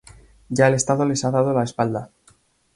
Ya el Estado les ha dado la espalda.